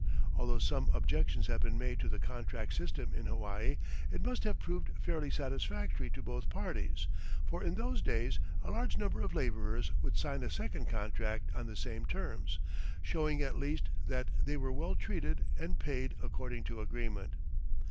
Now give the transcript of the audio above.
Although some objections have been made to the contract system in Hawaii, it must have proved fairly satisfactory to both parties, for in those days a large number of labourers would sign a second contract on the same terms, showing at least that they were well treated and paid according to agreement.